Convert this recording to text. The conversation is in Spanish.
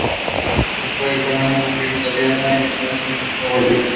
Se fue con su mujer italiana a Palermo y nunca volvió.